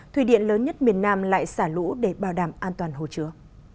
thủy điện lớn nhất miền nam lại xả lũ để bảo đảm an toàn hồ chứa